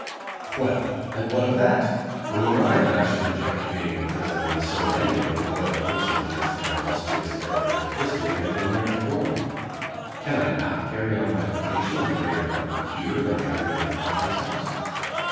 Well! and what of that? Who am I that I should object to being in prison, when so many of the royal personages and illustrious characters of history have been there before me? Can I not carry on my vocation in greater comfort here than I could in my father's house?